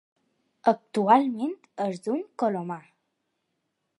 Actualment és un colomar.